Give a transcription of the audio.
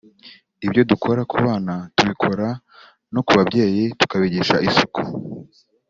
Ibyo dukora ku bana tubikora no ku babyeyi tukabigisha isuku